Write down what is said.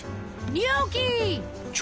ニョッキ！